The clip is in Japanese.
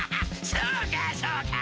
そうかそうか！